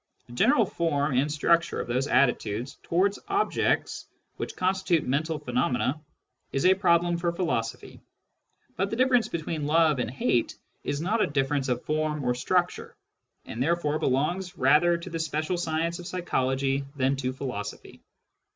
The general form and structure of those attitudes towards objects which constitute mental pheno mena is a problem for philosophy ; but the diffisrence between love and hate is not a difference of form or structxire, and therefore belongs rather to the special science of psychology than to philosophy.